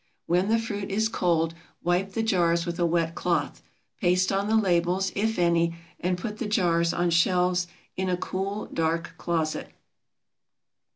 When the fruit is cold wipe the jars with a wet cloth. Paste on the labels, if any, and put the jars on shelves in a cool, dark closet.